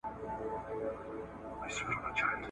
ولي مدام هڅاند د مخکښ سړي په پرتله هدف ترلاسه کوي؟